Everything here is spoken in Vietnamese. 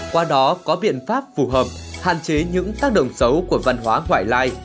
qua đó có biện pháp phù hợp hạn chế những tác động xấu của văn hóa ngoại lai